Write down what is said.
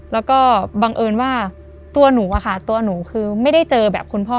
แล้วก็บังเอิญว่าตัวหนูอะค่ะตัวหนูคือไม่ได้เจอแบบคุณพ่อ